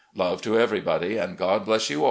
... Love to everybody and God bless you aU.